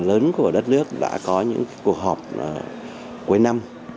lớn của đất nước đã có những cuộc họp cuối năm